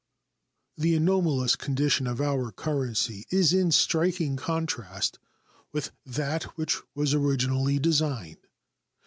The anomalous condition of our currency is in striking contrast with that which was originally designed.